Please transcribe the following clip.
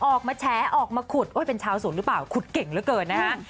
ออกมาแฉออกมาขุดเป็นชาวสวนหรือเปล่าขุดเก่งเหลือเกินนะฮะ